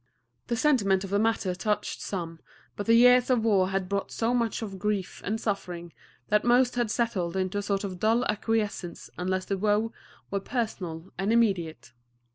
The sentiment of the matter touched some, but the years of war had brought so much of grief and suffering that most had settled into a sort of dull acquiescence unless the woe were personal and immediate.